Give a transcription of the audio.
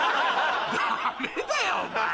ダメだよお前。